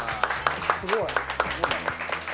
すごい！